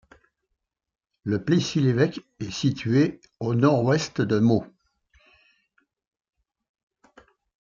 Le Plessis-l'Évêque est situé à au nord-ouest de Meaux.